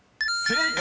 ［正解！